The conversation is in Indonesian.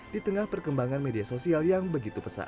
di tengah perkembangan media sosial yang begitu pesat